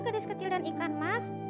gadis kecil dan ikan mas